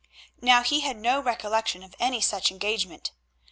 Now he had no recollection of any such engagement.